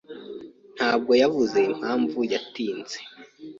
ntabwo yavuze impamvu yatinze.